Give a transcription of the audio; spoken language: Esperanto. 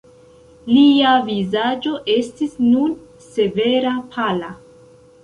Lia vizaĝo estis nun severa, pala.